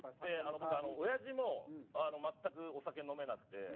僕おやじも全くお酒飲めなくて。